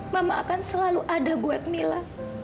mama akan selalu ada buat mila